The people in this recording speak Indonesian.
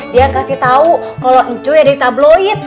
dia kasih tau kalo cuy ada di tabloid